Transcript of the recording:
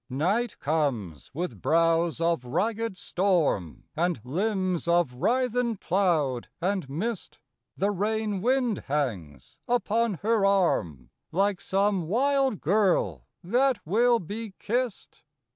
Night comes with brows of ragged storm, And limbs of writhen cloud and mist; The rain wind hangs upon her arm Like some wild girl that will be kissed.